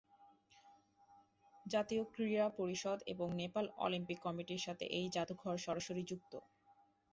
জাতীয় ক্রীড়া পরিষদ এবং নেপাল অলিম্পিক কমিটির সাথে এই জাদুঘর সরাসরি যুক্ত।